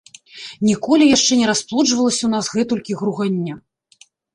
Ніколі яшчэ не расплоджвалася ў нас гэтулькі гругання.